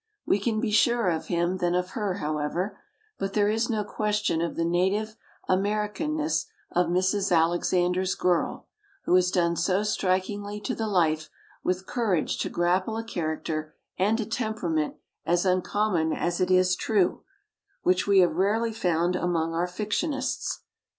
We can be surer of him than of her, however; but there is no question of the native Americanness of Mrs. Alexander's girl, who is done so strikingly to the life, with courage to grapple a character and a temperament as uncommon as it is true, which we have rarely found among our fictionists.